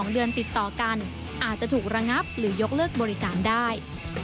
๒เดือนติดต่อกันอาจจะถูกระงับหรือยกเลิกบริการได้